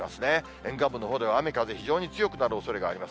沿岸部のほうでは雨風、非常に強くなるおそれがあります。